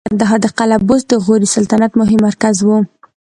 د کندهار د قلعه بست د غوري سلطنت مهم مرکز و